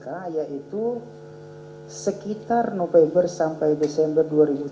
dari cbk yaitu sekitar november sampai desember dua ribu tujuh belas